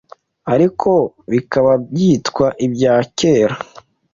ariko bikaba byitwa ibya kera.